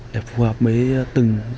để phù hợp với từng